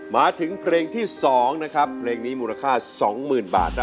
มาถึงเพลงที่๒นะครับเพลงนี้มูลค่า๒๐๐๐บาท